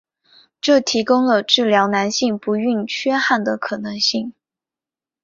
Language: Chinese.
这提供了治疗男性不育缺憾的可能性。